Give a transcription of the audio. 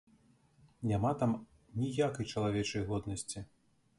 Няма там ніякай чалавечай годнасці!